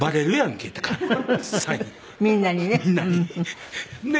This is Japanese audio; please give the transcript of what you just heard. みんなにね。